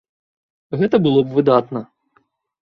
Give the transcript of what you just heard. Гэта было б выдатна.